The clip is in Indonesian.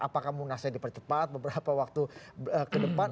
apakah munasnya dipercepat beberapa waktu ke depan